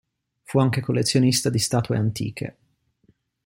Fu anche collezionista di statue antiche.